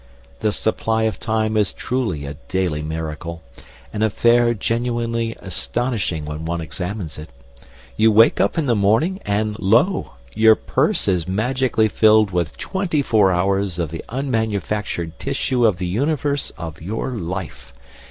The supply of time is truly a daily miracle, an affair genuinely astonishing when one examines it. You wake up in the morning, and lo! your purse is magically filled with twenty four hours of the unmanufactured tissue of the universe of your life!